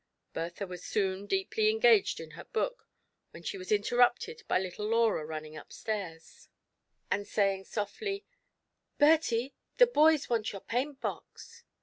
Bertha was soon deeply engaged in her book, when she was interrupted by little Laura running up stairs, 72 TRIALS AND TROUBLES. and saying softly, ''Bei tie, the boys want your paint box."